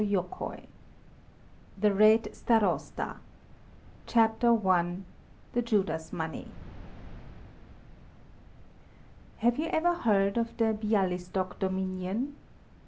VI THE RED STAROSTA CHAPTER I THE JUDAS MONEY Have you ever heard of the Bialystok Dominion?